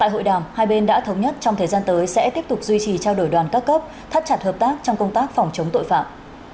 hội đàm nhất trong thời gian tới sẽ tiếp tục duy trì trao đổi đoàn các cấp thắt chặt hợp tác trong công tác phòng chống tội phạm